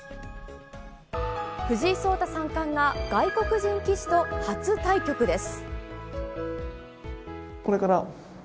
藤井聡太三冠が外国人棋士と初対局です。